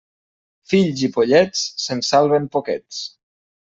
Fills i pollets, se'n salven poquets.